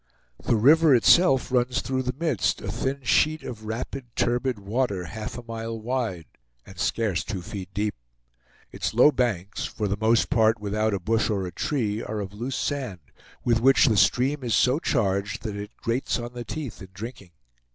The river itself runs through the midst, a thin sheet of rapid, turbid water, half a mile wide, and scarce two feet deep. Its low banks for the most part without a bush or a tree, are of loose sand, with which the stream is so charged that it grates on the teeth in drinking.